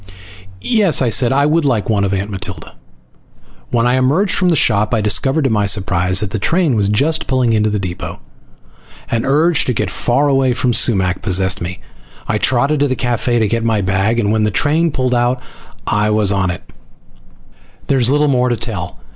"Yes," I said. "I would like one of Aunt Matilda." When I emerged from the shop I discovered to my surprise that the train was just pulling into the depot. An urge to get far away from Sumac possessed me. I trotted to the cafe to get my bag, and when the train pulled out I was on it. There's little more to tell.